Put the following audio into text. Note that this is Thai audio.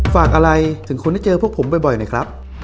ฝากอะไรถึงคนที่เจอพวกผมบ่อยหน่อยครับ